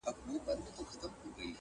چي یې منکر دی هغه نادان دی!.